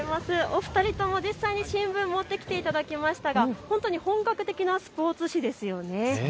お二人とも実際に新聞を持ってきていただきましたが本格的なスポーツ紙ですよね。